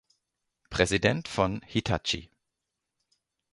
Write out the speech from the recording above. Präsident von Hitachi.